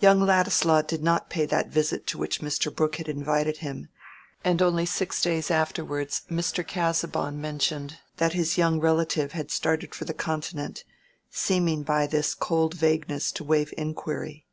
Young Ladislaw did not pay that visit to which Mr. Brooke had invited him, and only six days afterwards Mr. Casaubon mentioned that his young relative had started for the Continent, seeming by this cold vagueness to waive inquiry.